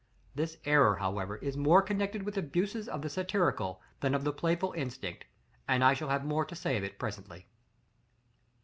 This error, however, is more connected with abuses of the satirical than of the playful instinct; and I shall have more to say of it presently.